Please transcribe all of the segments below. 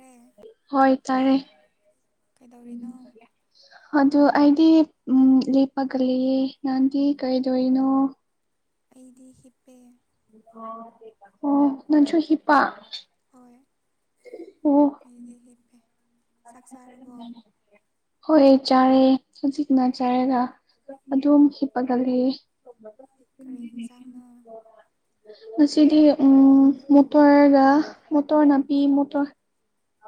ꯑꯦ ꯍꯣꯏ ꯇꯔꯦ ꯀꯩꯗꯧꯔꯤꯅꯣ ꯑꯗꯨ ꯑꯩꯗꯤ ꯎ ꯂꯦꯞꯄꯒ ꯂꯩꯇꯦ꯫ ꯅꯪꯗꯤ ꯀꯩꯗꯣꯔꯤꯅꯣ ꯑꯩꯗꯤ ꯍꯤꯞꯄꯦ ꯑꯣ ꯅꯪꯁꯨ ꯍꯤꯞꯄꯥ ꯍꯣꯏ ꯑꯩꯗꯤ ꯍꯤꯞꯄꯦ ꯆꯥꯛ ꯆꯥꯔꯕꯣ ꯍꯣꯏ ꯆꯥꯔꯦ ꯍꯧꯖꯤꯛꯅ ꯆꯥꯏꯔꯒ ꯑꯗꯨꯝ ꯍꯤꯞꯄꯒ ꯂꯩꯌꯦ ꯀꯔꯤ ꯍꯤꯟꯖꯥꯡꯅꯣ [unintelligible] ꯉꯁꯤꯗꯤ ꯎꯝ ꯃꯇꯔꯒꯥ ꯃꯇꯔ ꯅꯥꯕꯤ ꯃꯇꯔ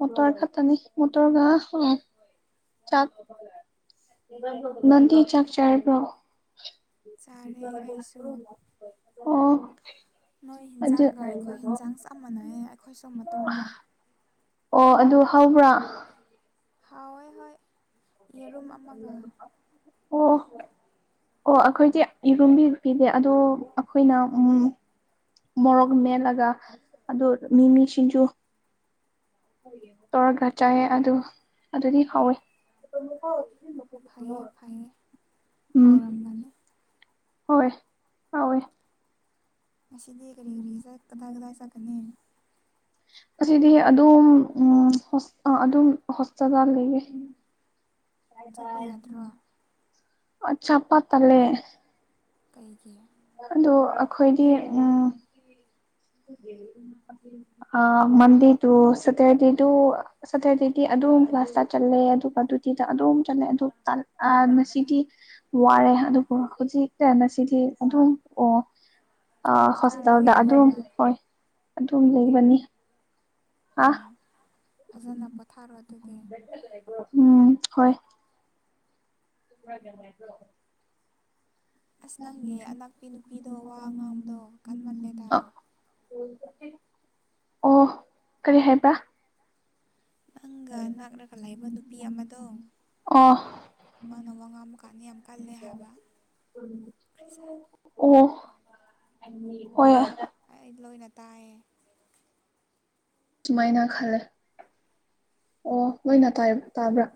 ꯃꯇꯔ ꯈꯥꯇꯅꯤ ꯃꯇꯔꯒꯥ ꯑ ꯆꯥꯛ ꯅꯪꯗꯤ ꯆꯥꯛ ꯆꯔꯕ꯭ꯔꯣ ꯆꯥꯔꯦ ꯑꯩꯁꯨ ꯑꯣ ꯅꯣꯏ ꯑꯗꯨ ꯍꯟꯖꯥꯡꯒ ꯑꯩꯈꯣꯏ ꯍꯟꯖꯥꯡ ꯆꯞ ꯃꯥꯟꯅꯩꯌꯦ ꯑꯩꯈꯣꯏꯁꯨ ꯃꯇꯣꯔꯅꯦ ꯑꯣ ꯑꯗꯨ ꯍꯧꯎꯕ꯭ꯔꯥ ꯍꯥꯎꯋꯦ ꯍꯣꯏ ꯌꯦꯔꯨꯝ ꯑꯃꯒ ꯑꯣ ꯑꯣ ꯑꯩꯈꯣꯏꯒꯤ ꯏꯔꯨꯝꯒꯤ ꯅꯤꯄꯤꯅꯤ ꯑꯗꯣ ꯑꯩꯈꯣꯏꯅ ꯎꯝ ꯃꯣꯔꯣꯛ ꯃꯦꯠꯂꯒ ꯑꯗꯨ ꯃꯤꯃꯤ ꯁꯤꯡꯖꯨ ꯇꯧꯔꯒ ꯆꯥꯏꯌꯦ ꯑꯗꯨ ꯑꯗꯨꯗꯤ ꯍꯥꯎꯋꯦ ꯐꯩꯌꯦ ꯐꯩꯌꯦ ꯎꯝ ꯍꯥꯎꯔꯝꯒꯅꯤ ꯍꯣꯏ ꯑꯋꯦ ꯉꯥꯁꯤꯁꯤ ꯗꯈꯔꯦꯈꯔꯤ ꯀꯗꯥꯏ ꯀꯗꯥꯏ ꯆꯠꯀꯅꯤ ꯑꯁꯤꯗꯤ ꯑꯗꯨꯝ ꯎ ꯑꯗꯨꯝ ꯍꯣꯁꯄꯤꯇꯥꯜ ꯂꯩꯒꯦ ꯆꯠꯄ ꯌꯥꯗ꯭ꯔꯣ ꯑ ꯆꯄ ꯇꯂꯦ ꯀꯩꯒꯤ ꯑꯗꯣ ꯑꯩꯈꯣꯏꯗꯤ ꯎ ꯃꯟꯗꯦꯗꯨ ꯁꯇꯔꯗꯦꯗꯨ ꯁꯇꯔꯗꯦꯗꯤ ꯑꯗꯨꯝ ꯀ꯭ꯂꯥꯁꯇ ꯆꯠꯂꯦ ꯑꯗꯨꯒ ꯑꯗꯨꯗꯤꯗ ꯑꯗꯨꯝ ꯆꯠꯂꯦ ꯑꯗꯨ ꯉꯁꯤꯗꯤ ꯋꯥꯔꯦ ꯑꯗꯨꯕꯨ ꯍꯧꯖꯤꯛꯇ ꯉꯁꯤꯗꯤ ꯑꯗꯨꯝ ꯑꯣ ꯄꯣꯊꯥꯔꯒꯦ ꯍꯣꯁꯇꯦꯜꯗ ꯑꯗꯨꯝ ꯍꯥꯏꯕ꯭ꯔꯥ ꯍꯣꯏ ꯑꯗꯨꯝ ꯂꯩꯕꯅꯦ ꯑꯥ ꯎꯝ ꯐꯖꯅ ꯄꯣꯊꯥꯔꯣ ꯑꯗꯨꯗꯤ ꯎꯝ ꯍꯣꯏ ꯥꯏꯗ ꯑꯁ ꯅꯪꯒꯤ ꯑꯅꯥꯛꯄꯤ ꯅꯨꯄꯤꯗꯣ ꯋꯥ ꯉꯥꯡꯕꯗꯣ ꯀꯥꯟꯃꯜꯂꯦꯗ ꯑꯣ ꯀꯔꯤ ꯍꯥꯏꯕꯥ ꯅꯪꯒ ꯅꯛꯔꯒ ꯂꯩꯕ ꯅꯨꯄꯤ ꯑꯃꯗꯣ ꯑꯣ ꯃꯥꯅ ꯋꯥ ꯉꯥꯡꯕ ꯀꯥꯟꯅꯤ ꯌꯥꯝ ꯀꯜꯂꯦ ꯍꯥꯏꯕ ꯑꯣ ꯍ ꯑꯩ ꯂꯣꯏꯅ ꯇꯥꯏꯌꯦ ꯁꯨꯃꯥꯏꯅ ꯈꯜꯂꯦ ꯑꯣ ꯂꯣꯏꯅ ꯇꯥꯕ꯭ꯔꯥ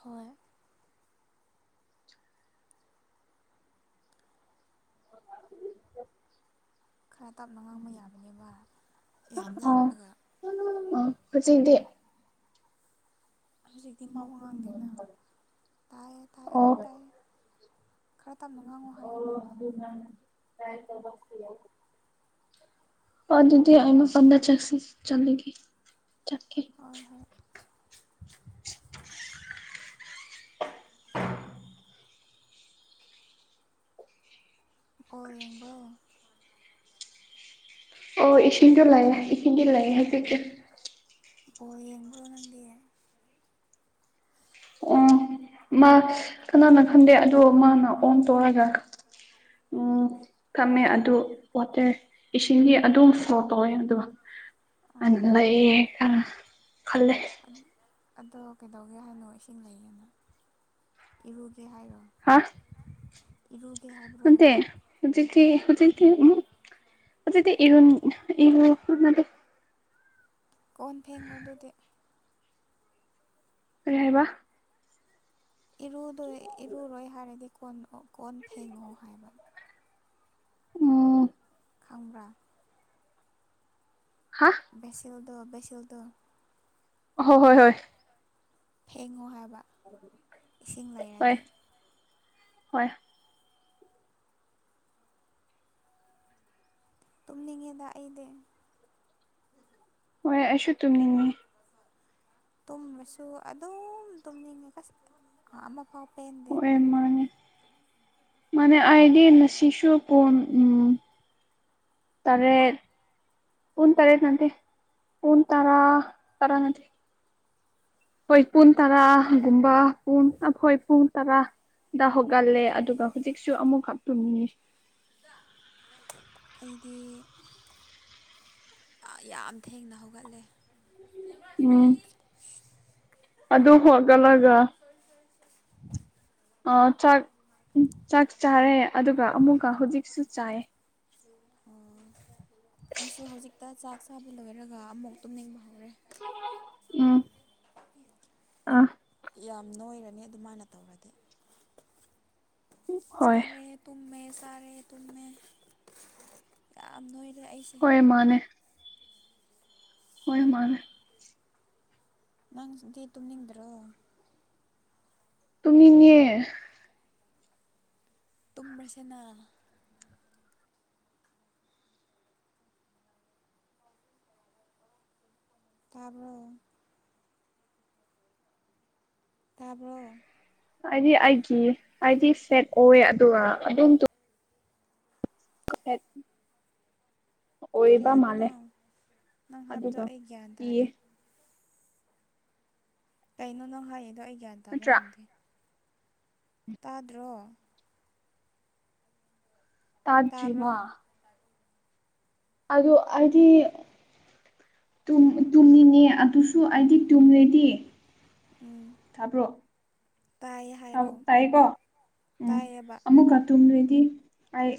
ꯍꯣꯏ ꯈꯔ ꯇꯞꯅ ꯉꯥꯡꯕ ꯌꯥꯕꯅꯦꯕ ꯌꯥꯝ ꯂꯥꯞꯂꯒ ꯍꯧꯆꯗꯤ ꯍꯧꯖꯤꯛꯇꯤ ꯃ ꯋꯥ ꯉꯥꯡꯗꯦꯅ ꯇꯥꯏ ꯇꯥꯏ ꯑꯗꯨꯝ ꯇꯥꯏꯌꯦ ꯈꯔ ꯇꯞꯅ ꯉꯥꯡꯉꯣ ꯑꯣ ꯍꯥꯏꯌꯣꯅ ꯑꯗꯨ ꯃ ꯀꯥꯏ ꯇ ꯑ ꯑꯗꯨꯗꯤ ꯑꯩꯩꯅ ꯄꯗ ꯆꯦꯛꯁꯤ ꯆꯂꯦꯒ ꯆꯦ ꯍꯣꯏ ꯍꯣꯏ ꯑꯣ ꯌꯦꯡꯕ꯭ꯂꯣ ꯑꯣ ꯏꯁꯤꯤꯟ ꯇ ꯂꯥꯛꯌꯦꯦ ꯑꯩꯈꯗꯤ ꯂꯥꯛꯌꯦꯦ ꯍꯥꯏ ꯄ ꯌꯦꯣ ꯅꯗꯤ ꯑꯣ ꯃꯥ ꯀꯅꯥꯅꯣ ꯈꯪꯗꯦ ꯑꯗꯣ ꯃꯥꯅ ꯑꯣꯟ ꯇꯧꯔꯒ ꯎꯝ ꯊꯝꯃꯦ ꯑꯗꯨ ꯋꯥꯇꯔ ꯏꯁꯤꯡꯒꯤꯗꯤ ꯑꯗꯨꯝ ꯐ꯭ꯂꯣ ꯇꯧꯋꯦ ꯑꯗꯨꯒ ꯑꯣ ꯑꯅꯂꯌꯦꯒ ꯈꯜꯂꯦ ꯑꯗꯣ ꯀꯩꯗꯧꯒꯦ ꯍꯥꯏꯅꯣ ꯏꯁꯤꯡ ꯂꯩꯌꯦꯅ ꯏꯔꯨꯒꯦ ꯍꯥꯏꯔꯣ ꯍꯥ ꯏꯔꯨꯒꯦ ꯍꯥꯏꯕ꯭ꯔꯣ ꯍꯧꯖꯤꯛꯗꯤ ꯍꯧꯖꯤꯛꯗꯤ ꯎ ꯍꯧꯖꯤꯛꯗꯤ ꯏꯍꯣꯟ ꯏꯍ ꯃ ꯀꯣꯟ ꯐꯦꯡꯉꯣ ꯑꯗꯨꯗꯤ ꯑꯣꯏꯕ ꯏꯔꯨꯗꯣꯏ ꯏꯔꯨꯔꯣꯏ ꯍꯥꯏꯔꯗꯤ ꯀꯣꯟ ꯀꯣꯟ ꯐꯦꯡꯉꯣ ꯍꯥꯏꯕ ꯎꯝ ꯈꯥꯡꯕ꯭ꯔꯥ ꯍꯥ ꯚꯦꯁꯦꯜꯗꯣ ꯚꯦꯁꯦꯜꯗꯣ ꯍ ꯍꯣꯏ ꯍꯣꯏ ꯐꯦꯡꯉꯣ ꯍꯥꯏꯕ ꯏꯁꯤꯡ ꯍꯣꯏ ꯍꯣꯏ ꯂꯩꯔꯗꯤ ꯍꯣꯏ ꯇꯨꯝꯅꯤꯡꯉꯦꯗꯥꯛ ꯑꯩꯗ ꯍꯣꯏ ꯑꯩꯁꯨ ꯇꯨꯝꯅꯤꯡꯉ ꯇꯨꯝꯕꯁꯨ ꯑꯗꯨꯝ ꯇꯨꯝꯅꯤꯡꯉꯦꯁ ꯑꯃ ꯄꯥꯎ ꯄꯦꯟꯗꯦ ꯃꯅꯤ ꯑꯥꯏꯗꯤꯅꯁꯤꯁꯨ ꯀ ꯎꯝ ꯇꯔꯦ ꯄꯟ ꯇꯔꯥꯦꯗ ꯅꯠꯇꯗꯤ ꯄꯟ ꯇꯔꯥ ꯇꯔꯥ ꯅꯠꯇꯗꯤ ꯑꯩꯈꯣꯏ ꯄꯨꯡ ꯇꯔꯥꯒꯨꯝꯕ ꯄꯨꯡ ꯑꯩꯈꯣꯏ ꯄꯨꯡ ꯇꯔꯥ ꯗ ꯍꯧꯒꯜꯂꯦ ꯑꯗꯨꯒ ꯍꯧꯖꯤꯛꯁꯨ ꯑꯃꯨꯛ ꯈ ꯇꯨꯝꯉ ꯑꯩꯗꯤ ꯌꯥꯝ ꯊꯦꯡꯅ ꯍꯧꯒꯠꯂꯦ ꯎꯝ ꯑꯗ ꯍ ꯀꯂꯒ ꯑ ꯆꯥꯛ ꯆꯥꯛ ꯆꯥꯔꯦ ꯑꯗꯨꯒ ꯑꯃꯨꯛꯀ ꯍꯧꯖꯤꯛꯁꯨ ꯆꯥꯏ ꯑꯣ ꯑꯩꯁꯨ ꯍꯧꯖꯤꯛꯇ ꯆꯥꯛ ꯆꯥꯕ ꯂꯣꯏꯔꯒ ꯑꯃꯨꯛ ꯇꯨꯝꯅꯤꯡꯕ ꯍꯧꯔꯦ ꯎꯝ ꯑꯥ ꯌꯥꯝ ꯅꯣꯏꯔꯅꯤ ꯑꯗꯨꯃꯥꯏꯅ ꯇꯧꯔꯗꯤ ꯍꯣꯏ ꯆꯥꯔꯦ ꯇꯨꯝꯃꯦ ꯇꯥꯔꯦ ꯇꯨꯝꯃꯦ ꯌꯥꯝ ꯅꯣꯏ ꯍꯣꯏ ꯃꯥꯅꯦ ꯍꯣꯏ ꯃꯥꯔꯦ ꯅꯪꯗꯤ ꯇꯨꯝꯅꯤꯡꯗ꯭ꯔꯣ ꯇꯃꯤ ꯅ ꯇꯨꯝꯕꯁꯤꯅ ꯇꯥꯔꯕꯔ ꯇꯥꯔꯕꯣ ꯍꯥꯏꯗꯤ ꯑꯩꯒꯤ ꯍꯥꯏꯗꯤ ꯁꯦꯠ ꯑꯣꯏ ꯑꯗꯨꯒ ꯑꯗꯨꯝ ꯍꯥ ꯀꯔꯤ ꯍꯥꯞꯅꯣ ꯅꯪ ꯍꯥꯞꯗ ꯑꯗꯨꯒ ꯑꯩꯒꯌꯥ ꯀꯤꯌꯦ ꯇꯥꯦ ꯀꯩꯅꯣ ꯅꯪ ꯍꯥꯏꯌꯦꯗꯣ ꯑꯩ ꯒ꯭ꯌꯥꯟ ꯇꯥꯕ ꯅꯠꯇ꯭ꯔꯥ ꯉꯝꯗꯦ ꯇꯥꯗ꯭ꯔꯣ ꯇꯥꯖꯃ ꯇꯥꯕ꯭ꯔꯣ ꯑꯗꯨ ꯍꯥꯏꯗꯤ ꯇꯨꯝꯃꯤꯅꯦ ꯑꯗꯨꯁꯨ ꯑꯩꯗꯤ ꯇꯨꯝꯂꯦꯗꯤ ꯎꯝ ꯊꯥꯕ꯭ꯔꯣ ꯇꯥꯏꯌꯦ ꯍꯥꯏꯔꯣ ꯇꯥꯏꯌꯦꯀꯣ ꯎꯝ ꯇꯥꯏꯌꯦꯕ ꯑꯃꯨꯛꯀ ꯇꯨꯝꯗꯣꯏꯗꯤ ꯑꯩ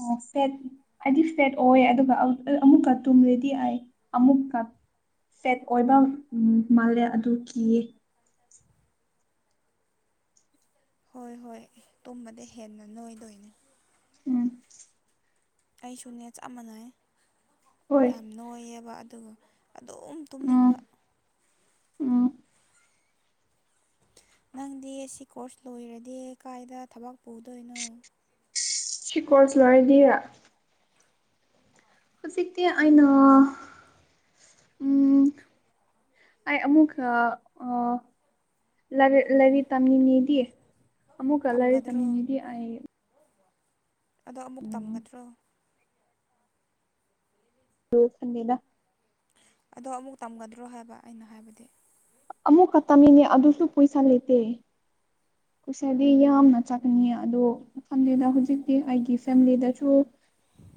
ꯑꯣ ꯐꯦꯠ ꯍꯥꯏꯗꯤ ꯐꯦꯠ ꯑꯣꯏ ꯑꯗꯨꯒ ꯑꯃꯨꯛꯀ ꯇꯨꯝꯔꯦꯗꯤ ꯑꯩ ꯑꯃꯨꯛꯀ ꯐꯦꯠ ꯑꯣꯏꯕ ꯃꯥꯜꯂꯦ ꯑꯗꯨ ꯀꯤꯌꯦ ꯍꯣꯏ ꯍꯣꯏ ꯇꯨꯝꯕꯗ ꯍꯦꯟꯅ ꯅꯣꯏꯗꯣꯏꯅꯦ ꯎꯝ ꯑꯩꯁꯨ ꯅꯦꯠꯁ ꯃꯅ ꯍꯣꯏ ꯌꯥꯝ ꯅꯣꯏꯌꯦꯕ ꯑꯗꯨꯒ ꯑꯗꯨꯝ ꯎꯝ ꯇꯨꯝꯅꯤꯡꯕ ꯎꯝ ꯅꯪꯗꯤ ꯁꯤ ꯀꯣꯔꯁ ꯂꯣꯏꯔꯗꯤ ꯀꯥꯏꯗ ꯊꯕꯛ ꯄꯨꯗꯣꯏꯅꯣ ꯁꯤ ꯀꯣꯔꯔꯁ ꯂꯔꯥꯏꯗꯤ ꯍꯧꯖꯤꯛꯇꯤ ꯑꯩꯅ ꯎꯝ ꯑꯩ ꯑꯃꯃꯨꯛ ꯑꯥ ꯂꯥꯏꯔꯤꯛ ꯇꯝꯅꯤꯡꯉꯤꯗꯤ ꯑꯃꯨꯛꯀ ꯂꯥꯏꯔꯤꯛ ꯇꯝꯒꯗ꯭ꯔꯣ ꯇꯝꯅꯤꯡꯉꯤꯗꯤ ꯑꯩ ꯑꯗꯣ ꯑꯃꯨꯛ ꯎꯝ ꯇꯝꯒꯗ꯭ꯔꯣ ꯂꫭꯏꯁꯤꯜꯂꯦꯗꯥ ꯑꯗꯣ ꯑꯃꯨꯛ ꯇꯝꯒꯗ꯭ꯔꯣ ꯍꯥꯏꯕ ꯑꯩꯅ ꯍꯥꯏꯕꯗꯤ ꯑꯃꯨꯛꯀ ꯇꯃꯤꯅꯦ ꯑꯗꯨꯁꯨ ꯄꯩꯁꯥ ꯂꯩꯇꯦ ꯀꯨꯁꯗꯤ ꯌꯥꯝꯅ ꯆꯥꯛꯅꯤꯡ ꯑꯗꯨꯗ ꯃꯐꯝꯗꯨꯗ ꯍꯧꯖꯤꯛꯇꯤ ꯑꯩꯒꯤ ꯐꯦꯃꯤꯂꯤꯗꯁꯨ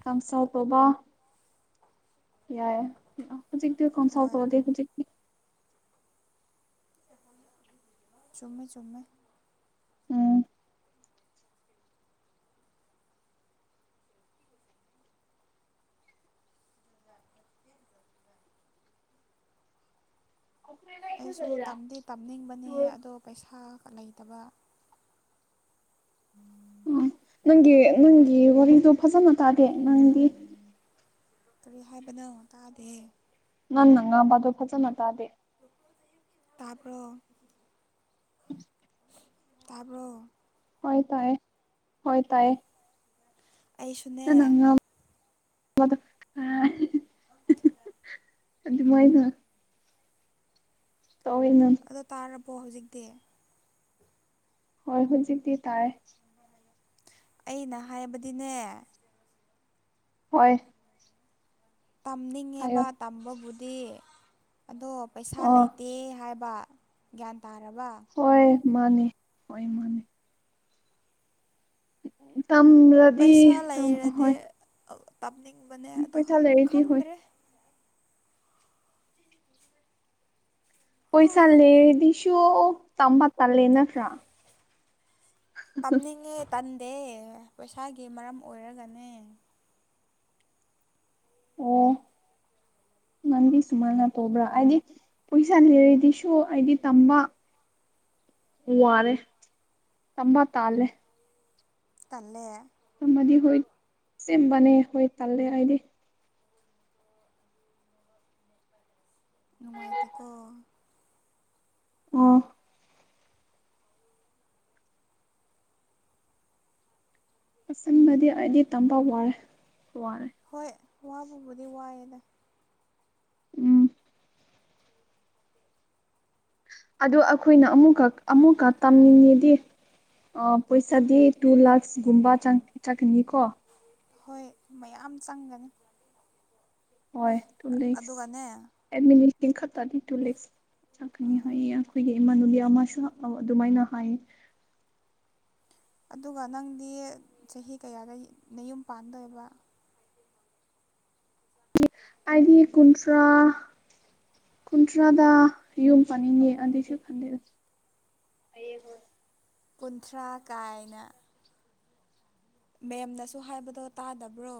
ꯀꯟꯁꯜ ꯇꯧꯕꯥ ꯌꯥꯏꯦ ꯍꯧꯖꯤꯛꯇꯤ ꯀꯟꯁꯜ ꯍꯣꯏ ꯇꯧ ꯍꯧꯖꯤꯛꯇꯤ ꯆꯨꯝꯃꯦ ꯆꯨꯝꯃꯦ ꯎꯝ ꯑꯩꯁꯨ ꯇꯝꯗꯦ ꯇꯝꯅꯤꯡꯕꯅꯦ ꯑꯗꯣ ꯄꯩꯁꯥ ꯂꯩꯇꯕ ꯎꯝ ꯑꯥ ꯅꯪꯒꯤ ꯅꯪꯒꯤ ꯋꯥꯔꯤꯗꯣ ꯐꯖꯅ ꯇꯥꯗꯦ ꯅꯪꯗꯤ ꯀꯔꯤ ꯍꯥꯏꯕꯅꯣ ꯇꯥꯗꯦ ꯅꯪꯪ ꯉꯕ ꯑꯗꯨ ꯐꯖꯅ ꯇꯗꯦ ꯇꯥꯄꯔꯣ ꯎꯝ ꯇꯥꯔꯕꯣ ꯍꯣꯏ ꯇꯥꯏꯌꯦ ꯍꯣꯏ ꯇꯥꯏꯌꯦ ꯑꯩꯁꯨꯅꯦ ꯅꯪꯅ [unintelligible] ꯑꯗꯨꯗꯤ ꯃꯣꯏꯅ ꯇꯧꯑꯣꯅ ꯀꫭ ꯍꯧꯖꯤꯛꯇꯤ ꯍꯣꯏ ꯍꯧꯖꯤꯛꯇꯤ ꯇꯥꯏ ꯑꯩꯅ ꯍꯥꯏꯕꯗꯤꯅꯦ ꯍꯣꯏ ꯍꯥꯏꯌꯣ ꯇꯝꯅꯤꯡꯉꯦꯕ ꯇꯝꯕꯕꯨꯗꯤ ꯑꯗꯣ ꯄꯩꯁꯥ ꯑ ꯂꯩꯇꯦ ꯍꯥꯏꯕ ꯒ꯭ꯌꯥꯟ ꯇꯥꯔꯕ ꯍꯣꯏ ꯃꯥꯅꯦ ꯍꯣꯏ ꯃꯥꯅꯦ ꯇꯝꯂꯗꯤꯝ ꯍꯣꯏ ꯇꯞꯅꯤꯡꯕꯅꯦ ꯑꯗꯣ ꯄꯩꯁꯥ ꯂꯩꯔꯗꯤ ꯍꯣꯏ ꯈꯪꯗ꯭ꯔꯦ ꯄꯩꯁꯥꯂꯦꯗꯤꯁꯨ ꯇꯝꯕ ꯇꯜꯂꯦ ꯅꯠꯇ꯭ꯔꯥ ꯇꯝꯅꯤꯡꯉꯦ ꯇꯟꯗꯦ ꯄꯩꯁꯥꯒꯤ ꯃꯔꯝ ꯑꯣꯏꯔꯒꯅꯦ ꯑꯣ ꯗꯤ ꯁꯨꯃꯥꯏꯅ ꯇꯧꯕ꯭ꯔꯥ ꯍꯥꯏꯗꯤ ꯄꯩꯁꯥ ꯂꯩꯔꯗꯤꯁꯨ ꯍꯥꯏꯗꯤ ꯇꯝꯕ ꯎ ꯋꯥꯔꯦ ꯇꯝꯕ ꯇꯥꯜꯦ ꯇꯜꯂꯦ ꯑꯃꯗꯤ ꯍꯣꯏ ꯁꯦꯝꯕꯅꯦ ꯍꯣꯏ ꯇꯜꯂꯦ ꯍꯥꯏꯗꯤ ꯅꯨꯡꯉꯥꯏ ꯇꯀꯣ ꯑ ꯑꯁꯟꯕꯗꯤ ꯑꯩꯗꯤ ꯇꯝꯕ ꯋꯥꯔꯦ ꯋꯥꯂꯦ ꯍꯣꯏ ꯋꯥꯕꯕꯨꯗꯤ ꯋꯥꯏꯑꯦꯗ ꯎꯝ ꯑꯗꯨ ꯑꯩꯈꯣꯏꯅ ꯑꯃꯨ ꯑꯃꯨꯛꯀ ꯇꯝꯅꯤꯡꯉꯤꯗꯤ ꯄꯩꯁꯥꯗꯤ ꯇꯨ ꯂꯥꯛꯁꯀꯨꯝꯕ ꯆꯪꯀꯅꯤꯀꯣ ꯍꯣꯏ ꯃꯌꯥꯝ ꯆꯪꯒꯅꯤ ꯑꯗꯨꯒꯅꯦ [unintelligible] ꯆꯥꯛꯀꯅꯤ ꯎꯝ ꯍꯥꯏꯌꯦ ꯑꯩꯈꯣꯏꯒꯤ ꯏꯃꯥꯅꯨꯒꯤ ꯑꯃꯁꯨ ꯑꯗꯨꯃꯥꯏꯅ ꯍꯥꯏꯌꯦ ꯑꯗꯨꯒ ꯅꯪꯗꯤ ꯆꯍꯤ ꯀꯌꯥꯗ ꯅꯌꯨꯝ ꯄꯥꯟꯗꯣꯏꯕ ꯑꯩꯗꯤ ꯀꯨꯟꯊ꯭ꯔꯥ ꯀꯨꯟꯊ꯭ꯔꯥꯗ ꯌꯨꯝ ꯄꯥꯅꯤꯡꯉꯦ ꯑꯗꯨꯁꯨ ꯈꯟꯗꯦꯔ ꯐꯌꯦꯕꯠ ꯀꯨꯟꯊ꯭ꯔꯥ ꯀꯥꯏꯅ ꯃꯦꯝꯗꯁꯨ ꯍꯥꯏꯕꯗꯣ ꯇꯥꯗꯕ꯭ꯔꯣ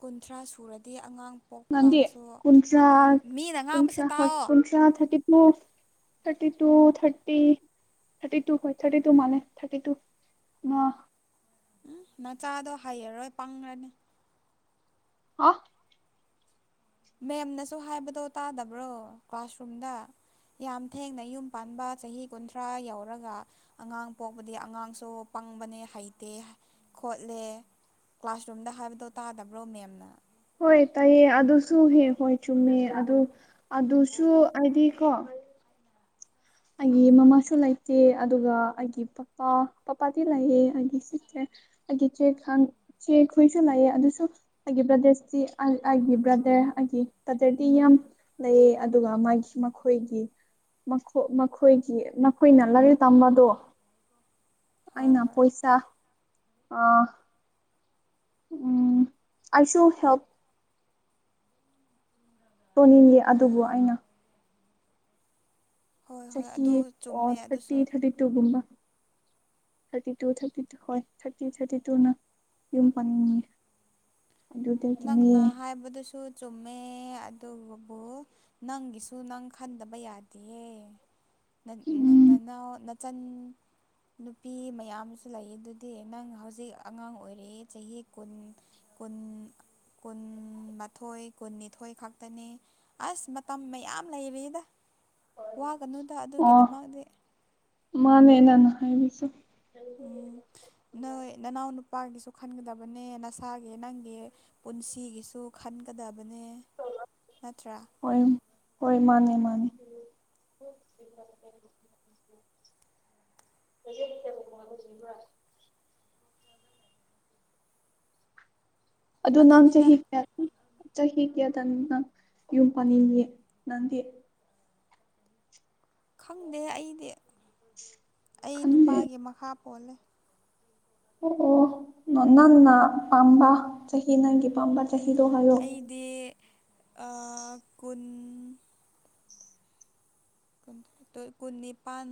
ꯀꯨꯟꯊ꯭ꯔꯥ ꯁꯨꯔꯗꯤ ꯑꯉꯥꯡ ꯄꯣꯛꯄ ꯅꯥꯟꯗꯤ ꯀꯥꯟꯗꯁꯨ ꯀꯨꯟꯇ꯭ꯔꯥ ꯑꯉꯥꯡ ꯃꯤꯅ ꯉꯥꯡꯕꯁꯦ ꯀꯨꯟꯇ꯭ꯔꯥ ꯍ ꯇꯥꯛꯑꯣ ꯀꯨꯟꯇ꯭ꯔꯥ ꯊꯥꯇꯃꯨ ꯊꯥꯔ ꯊꯔꯤ ꯊꯥꯔꯤ ꯍ ꯊꯥꯔꯇꯤ ꯇ ꯃꯥꯅꯦ ꯊꯥꯔꯇꯤ ꯇ ꯋꯥ ꯎ ꯅꯆꯥꯗꯣ ꯍꯩꯔꯔꯣꯏ ꯄꯪꯈ꯭ꯔꯅꯤ ꯑ ꯃꯦꯝꯅꯁꯨ ꯍꯥꯏꯕꯗꯣ ꯇꯥꯗꯕ꯭ꯔꯣ ꯀ꯭ꯂꯥꯁꯔꯨꯝꯗ ꯌꯥꯝ ꯊꯦꯡꯅ ꯌꯨꯝ ꯄꯥꯟꯕ ꯆꯍꯤ ꯀꯨꯟꯊ꯭ꯔꯥ ꯌꯧꯔꯒ ꯑꯉꯥꯡ ꯄꯣꯛꯄꯗꯤ ꯑꯉꯥꯡꯁꯨ ꯈꯪꯕꯅꯦ ꯍꯩꯇꯦ ꯈꯣꯠꯂꯦ ꯀ꯭ꯂꯥꯁꯔꯨꯝꯗ ꯍꯥꯏꯕꯗꯣ ꯇꯥꯗꯕ꯭ꯔꯣ ꯃꯦꯝꯅ ꯍꯣꯏ ꯇꯥꯏꯌꯦ ꯑꯗꯨꯁꯨꯍꯦ ꯍꯣꯏ ꯆꯨꯝꯃꯦ ꯑꯗꯨ ꯑꯗꯨꯁꯨ ꯍꯥꯏꯗꯤ ꯀꯣ ꯑꯩꯒꯤ ꯃꯃꯥꯁꯨ ꯂꯩꯇꯦ ꯑꯗꯨꯒ ꯑꯩꯒꯤ ꯄꯄꯥ ꯄꯄꯥꯗꯤ ꯂꯩꯑ ꯑꯩꯒꯤ ꯁꯤꯠꯁꯦ ꯑꯩꯒꯤ ꯆꯦ ꯆꯦ ꯍꯨꯏꯁꯨ ꯂꯥꯛꯑꯦ ꯑꯗꯨꯁꯨ ꯑꯩꯒꯤ ꯕ꯭ꯔꯗꯔꯁꯇꯤ ꯑꯩꯒꯤ ꯕꯗ ꯑꯩꯒꯤ ꯇꯗꯗꯤ ꯌꯥꯝ ꯂꯩꯌꯦ ꯑꯗꯨꯒ ꯃꯥꯒꯤ ꯃꯈꯣꯏꯒꯤ ꯃꯈꯣꯏꯒꯤ ꯅꯣꯏꯅ ꯂꯥꯏꯔꯤꯛ ꯇꯝꯕꯗꯣ ꯍꯣꯏ ꯑꯩꯅ ꯍꯣꯏ ꯄꯩꯁꯥ ꯑ ꯎꯝ ꯑꯁꯨꯨ ꯍꯦꯞ ꯁꯣꯅꯤꯅꯤ ꯍꯣꯏ ꯑꯗꯨꯕꯨ ꯍꯣꯏ ꯑꯩꯅ ꯍꯣꯏ ꯍꯣꯏ ꯆꯍꯤ ꯑꯗꯨ ꯑꯣ ꯆꯨꯝꯃꯦ ꯊꯥꯔꯇꯤ ꯑꯗꯨꯁꯨ ꯊꯥꯔꯇꯤ ꯇꯨꯒꯨꯝꯕ ꯊꯥꯔꯇꯤ ꯇꯨ ꯊꯥꯔꯇꯤ ꯇꯨ ꯍꯣꯏ ꯊꯥꯔꯇꯤ ꯊꯥꯔꯇꯤ ꯇꯨꯅ ꯌꯨꯝ ꯄꯥꯟꯅꯤꯡꯉꯤ ꯅꯪꯅ ꯍꯥꯏꯕꯗꯨꯁꯨ ꯆꯨꯝꯃꯦ ꯑꯗꯨꯕꯨ ꯅꯪꯒꯤꯁꯨ ꯅꯪ ꯈꯟꯗꯕ ꯌꯥꯗꯦꯌꯦ ꯅꯅꯥ ꯎꯝ ꯅ ꯆꯟ ꯅꯨꯄꯤ ꯃꯌꯥꯝꯨ ꯂꯩ ꯑꯗꯨꯗꯤ ꯅꯪ ꯍꯧꯖꯤꯛ ꯑꯉꯥꯡ ꯑꯣꯏꯔꯤꯛꯏꯦ ꯆꯍꯤ ꯀꯨꯟ ꯄꯨꯟ ꯀꯨꯟꯃꯥꯊꯣꯏ ꯀꯨꯟꯅꯤꯊꯣꯏ ꯈꯛꯇꯅꯤ ꯑꯁ ꯃꯇꯝ ꯃꯌꯥꯝ ꯂꯩꯔꯤꯗ ꯋꯥꯒꯅꯨꯗ ꯑꯣ ꯑꯗꯨꯒꯤꯗꯃꯗꯤ ꯍꯥꯏ ꯅꯣꯏ ꯅꯅꯥꯎ ꯅꯨꯄꯥꯒꯤꯁꯨ ꯈꯟꯒꯗꯕꯅꯦ ꯅꯁꯥꯒꯤ ꯅꯪꯒꯤ ꯄꯨꯟꯁꯤꯒꯤꯁꯨ ꯈꯟꯒꯗꯕ ꯍꯣꯏ ꯍꯣꯏ ꯃꯥꯅꯦ ꯃꯥꯅꯦ [unintelligible] ꯀ [unintelligible] ꯑꯗꯨ ꯅꯝ ꯆꯦ ꯑꯗꯨꯅꯤꯗ ꯍ ꯆꯍꯤ ꯀꯌꯥꯗꯪ ꯅꯪ ꯌꯨꯝ ꯄꯥꯅꯤꯡꯉ ꯅꯪꯗꯤ ꯈꯪꯗꯦ ꯑꯩꯗꯤ ꯑꯩ ꯈꯟꯗꯦ ꯅꯨꯄꯥꯒꯤ ꯃꯈꯥ ꯄꯣꯜꯂꯦ ꯑꯣ ꯑꯣ ꯅꯪꯅ ꯄꯥꯝꯕ ꯆꯍꯤ ꯅꯪꯒꯤ ꯄꯥꯝꯕ ꯆꯍꯤꯗꯣ ꯍꯥꯏꯌꯣ ꯑꯩꯗꯤ ꯀꯨꯟ ꯄꯨꯨꯟꯅꯤ ꯄꯥꯟ